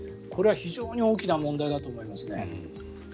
これは非常に大きな問題だと思いますね。